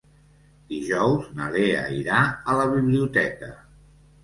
Dijous na Lea irà a la biblioteca.